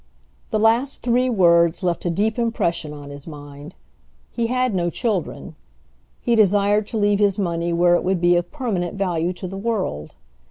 The last three words left a deep impression on his mind. He had no children. He desired to leave his money where it would be of permanent value to the world.